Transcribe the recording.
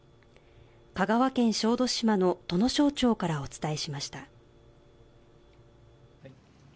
香川県小豆島の土庄町からお伝えしました。